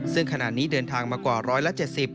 ซึ่งขณะนี้เดินทางมากว่า๑๗๐